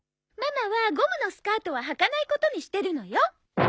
ママはゴムのスカートははかないことにしてるのよ。